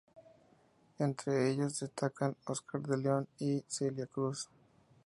Entre ellos destacan Oscar D'León y Celia Cruz.